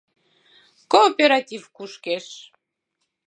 КООПЕРАТИВ КУШКЕШ